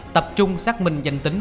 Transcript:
tập trung xác minh danh tính